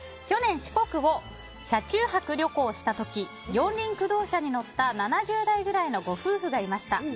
去年、四国を車中泊旅行した時四輪駆動車に乗った７０代くらいのご夫婦がいました。